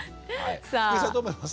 福井さんどう思いますか？